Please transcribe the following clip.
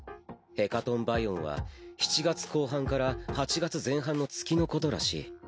ヘカトンバイオンは７月後半から８月前半の月のことらしい。